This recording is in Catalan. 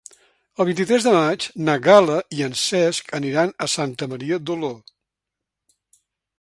El vint-i-tres de maig na Gal·la i en Cesc aniran a Santa Maria d'Oló.